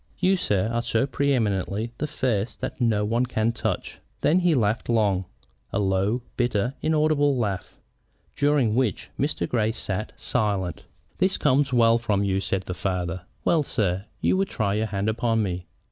You, sir, are so pre eminently the first that no one can touch you." Then he laughed long, a low, bitter, inaudible laugh, during which Mr. Grey sat silent. "This comes well from you!" said the father. "Well, sir, you would try your hand upon me.